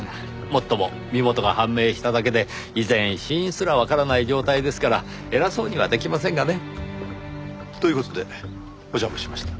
もっとも身元が判明しただけで依然死因すらわからない状態ですから偉そうには出来ませんがね。という事でお邪魔しました。